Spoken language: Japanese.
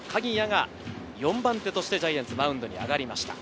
鍵谷が４番手としてジャイアンツ、マウンドに上がりました。